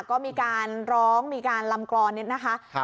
ก็มีการร้องมีการลำกรอนเนี่ยนะคะ